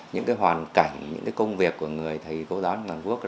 những hoàn cảnh những công việc của người thầy cô giáo trung hoàng quốc